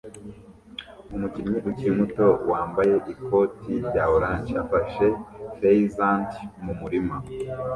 Umuhigi ukiri muto wambaye ikoti rya orange afashe pheasant mu murima